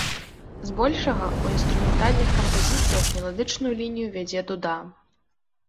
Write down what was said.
Збольшага ў інструментальных кампазіцыях меладычную лінію вядзе дуда.